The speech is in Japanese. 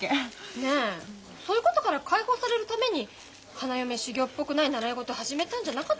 ねえそういうことから解放されるために花嫁修業っぽくない習い事始めたんじゃなかった？